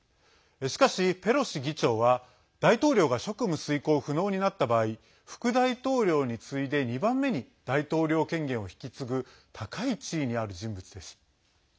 しかし、ペロシ議長は大統領が職務遂行不能になった場合副大統領に次いで二番目に大統領権限を引き継ぐ高い地位にある人物です。